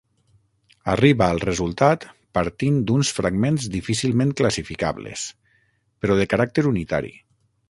Arriba al resultat partint d'uns fragments difícilment classificables, però de caràcter unitari.